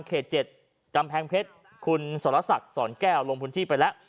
๗กำแพงเพชรคุณสรษักสอนแก้วลงพื้นที่ไปแล้ว